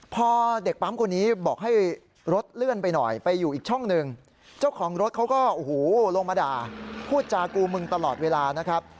พอเด็กปั๊มคนนี้บอกให้รถเลื่อนไปหน่อยไปอยู่อีกช่องหนึ่งเจ้าของรถเขาก็โอ้โหลงมาด่าพูดจากูมึงตลอดเวลานะครับ